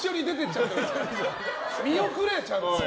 見送れ、ちゃんと！